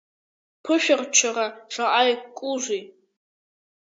Бԥышәырччара шаҟа игәкузеи!